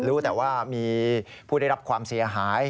รู้แต่ว่ามีผู้ได้รับความเสียหาย